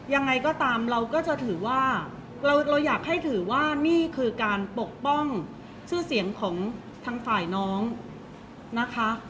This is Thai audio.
ยังไงก็ตามเราก็จะถือว่าเราอยากให้ถือว่านี่คือการปกป้องชื่อเสียงของทางฝ่ายน้องนะคะ